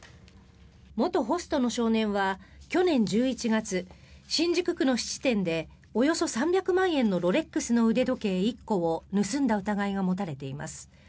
元ホストの少年は去年１１月新宿区の質店でおよそ３００万円のロレックスの腕時計１個を盗んだ疑いが持たれています。